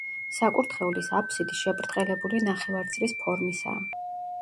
საკურთხევლის აფსიდი შებრტყელებული ნახევარწრის ფორმისაა.